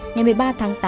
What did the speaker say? ngày một mươi ba tháng tám